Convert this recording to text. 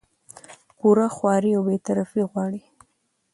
پوره خواري او بې طرفي غواړي